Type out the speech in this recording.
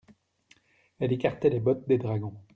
Elles écartaient les bottes des dragons.